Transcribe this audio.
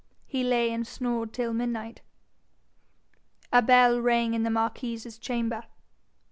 He lay and snored till midnight. A bell rang in the marquis's chamber.